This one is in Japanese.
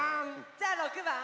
じゃ６ばん！